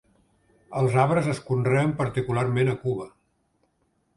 Els arbres es conreen particularment a Cuba.